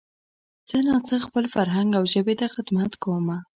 څه نا څه خپل فرهنګ او ژبې ته خدمت کومه